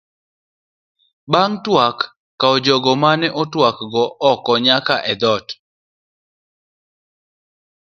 Ban'g twak kow jago mane utwak go oko nyaka e thoot.